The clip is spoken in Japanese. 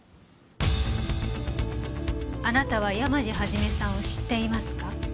あなたは山路肇さんを知っていますか？